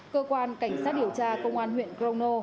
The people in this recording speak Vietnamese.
cơ quan cảnh sát điều tra công an huyện grono